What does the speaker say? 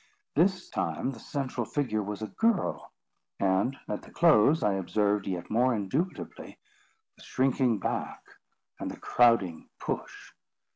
This time, the central figure was a girl; and, at the close, I observed, yet more indubitably, the shrinking back, and the crowding push.